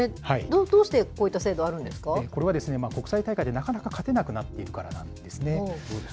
どうしてこういった制度、あるんこれはですね、国際大会でなかなか勝てなくなっているからなんですね。